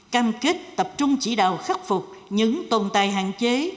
cam kết tập trung chỉ đạo khắc phục những tồn tại hạn chế